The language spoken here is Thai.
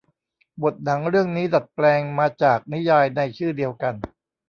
บทหนังเรื่องนี้ดัดแปลงมาจากนิยายในชื่อเดียวกัน